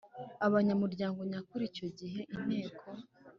abanyamuryango nyakuri icyo gihe inteko